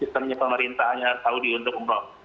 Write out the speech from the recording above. sistemnya pemerintahnya saudi untuk umroh